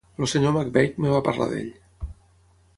el Sr McVeigh em va parlar d'ell.